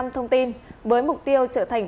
thông tin với mục tiêu trở thành